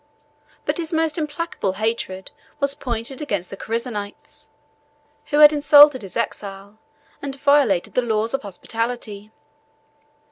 But his most implacable hatred was pointed against the Chersonites, who had insulted his exile and violated the laws of hospitality.